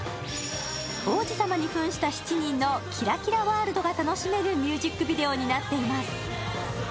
王子様にふんした７人のキラキラワールドが楽しめるミュージックビデオになっています。